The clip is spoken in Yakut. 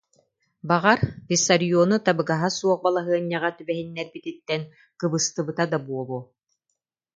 Баҕар, Виссариону табыгаһа суох балаһыанньаҕа түбэһин- нэрбититтэн кыбыстыбыта да буолуо